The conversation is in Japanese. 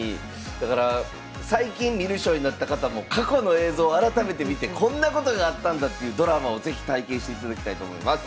だから最近観る将になった方も過去の映像改めて見てこんなことがあったんだっていうドラマを是非体験していただきたいと思います。